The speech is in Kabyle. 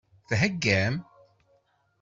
Theggam?